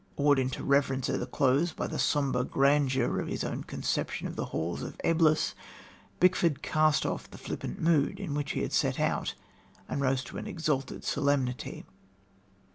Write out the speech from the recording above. Awed into reverence ere the close by the sombre grandeur of his own conception of the halls of Eblis, Beckford cast off the flippant mood in which he had set out and rose to an exalted solemnity.